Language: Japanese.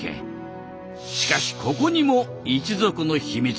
しかしここにも一族の秘密が。